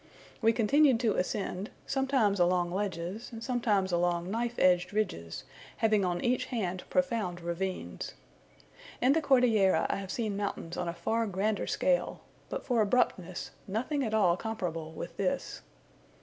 We continued to ascend, sometimes along ledges, and sometimes along knife edged ridges, having on each hand profound ravines. In the Cordillera I have seen mountains on a far grander scale, but for abruptness, nothing at all comparable with this.